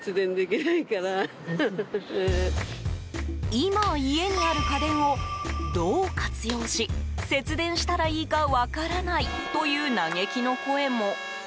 今、家にある家電をどう活用し節電したらいいか分からないという嘆きの声も。